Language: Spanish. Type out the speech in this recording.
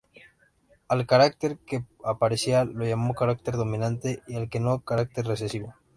Al carácter que aparecía lo llamó carácter dominante y al que no, carácter recesivo.